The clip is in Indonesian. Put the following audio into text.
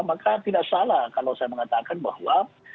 maka tidak salah kalau saya mengatakan bahwa